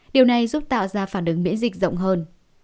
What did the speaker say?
điều này giúp tạo ra phản ứng miễn dịch rộng hơn